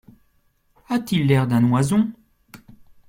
A-t-il l’air d’un oison !